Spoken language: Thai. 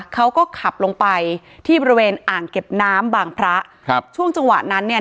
เขาก็ขับลงไปที่บริเวณอ่างเก็บน้ำบางพระครับช่วงจังหวะนั้นเนี่ย